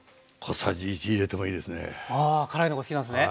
あ辛いのが好きなんですね。